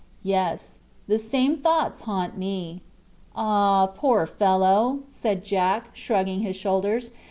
"Yes, the same thoughts haunt me." "Ah, poor fellow!" said Jack, shrugging his shoulders.